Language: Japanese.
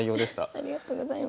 ありがとうございます。